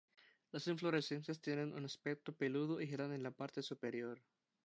Las inflorescencias tienen un aspecto peludo y giran en la parte superior.